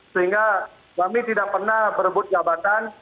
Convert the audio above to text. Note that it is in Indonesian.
sehingga kami tidak pernah berebut jabatan